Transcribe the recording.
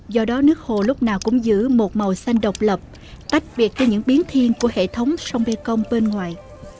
do đó nước hồ lúc nào cũng giữ một màu xanh độc lập tách biệt cho những biến thiên của hệ thống sông mê công bên ngoài